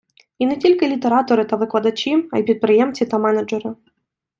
І не тільки літератори та викладачі, а й підприємці та менеджери.